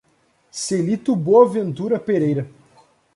Celito Boaventura Pereira